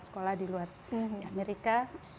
sekolah di luar amerika